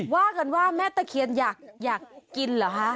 ว่ากันว่าแม่ตะเคียนอยากกินเหรอคะ